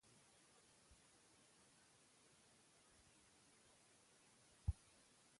افغانستان د ځمکه په برخه کې له نړیوالو بنسټونو سره کار کوي.